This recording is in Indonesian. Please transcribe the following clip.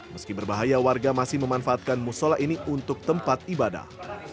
meski berbahaya warga masih memanfaatkan musola ini untuk tempat ibadah